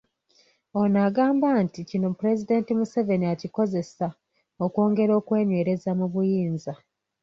Ono agamba nti kino Pulezidenti Museveni akikozesa okwongera okwenywereza mu buyinza.